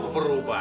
oh bikin apa ini